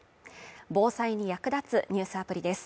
防災に役立つニュースアプリです。